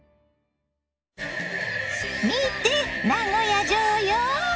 見て名古屋城よ！